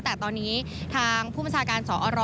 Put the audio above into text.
แต่ตอนนี้ทางผู้บัญชาการสอร